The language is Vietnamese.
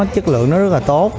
chất lượng nó rất là tốt